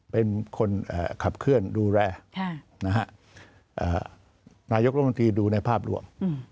เป็นคนขับเคลื่อนดูแลนายกรมนตรีดูในภาพรวม